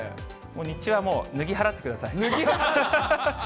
日中はもう脱ぎ払ってください。